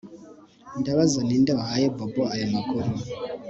Ndabaza ninde wahaye Bobo ayo makuru